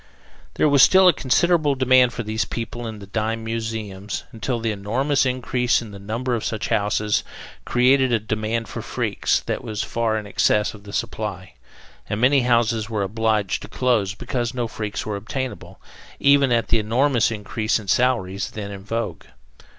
There was still a considerable demand for these people in the dime museums, until the enormous increase in the number of such houses created a demand for freaks that was far in excess of the supply, and many houses were obliged to close because no freaks were obtainable, even at the enormous increase in salaries then in vogue.